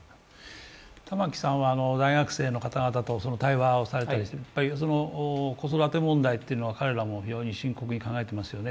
玉木さんは大学生の方々と対話をされて子育て問題というのは彼らも非常に深刻に考えていますよね